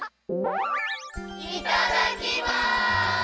いただきます！